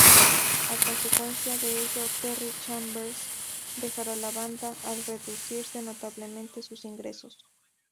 A consecuencia de ello Terry Chambers dejará la banda, al reducirse notablemente sus ingresos.